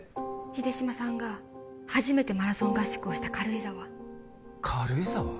秀島さんが初めてマラソン合宿をした軽井沢軽井沢？